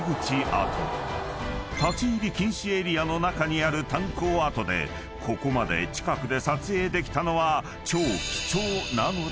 ［立ち入り禁止エリアの中にある炭鉱跡でここまで近くで撮影できたのは］